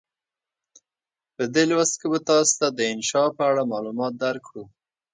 په دې لوست کې به تاسې ته د انشأ په اړه معلومات درکړو.